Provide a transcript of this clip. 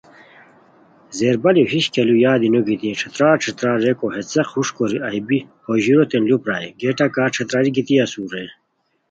زیربالیو ہِش کیہ لُو یادی نو گیتی ݯھترار ݯھترار ریکو ہے څیق ہوݰ کوری ایہہ بی ہو ژوروتین لُو پرائے، گیٹہ کا ݯھتراری گیتی اسور رے